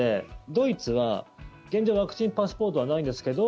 ドイツは現状、ワクチンパスポートはないんですけど